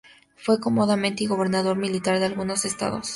Fue comandante y gobernador militar de algunos estados.